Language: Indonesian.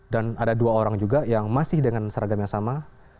dan ada dua orang juga yang masih dengan seragam yang sama